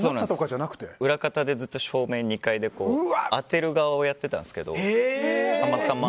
裏方でずっと照明を２階で当てる側をやっていたんですけどたまたま。